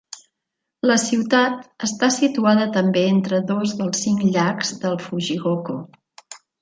La ciutat està situada també entre dos dels cinc llacs del Fujigoko.